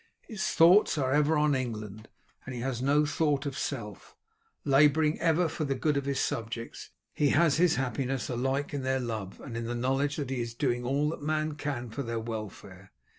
His thoughts are ever on England, and he has no thought of self. Labouring ever for the good of his subjects, he has his happiness alike in their love, and in the knowledge that he is doing all that man can for their welfare.